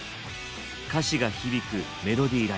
歌詞が響くメロディーライン。